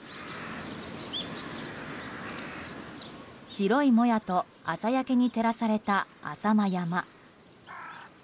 白いもやと朝焼けに照らされた浅間山。